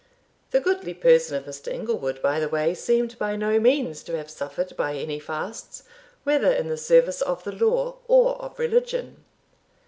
The goodly person of Mr. Inglewood, by the way, seemed by no means to have suffered by any fasts, whether in the service of the law or of religion.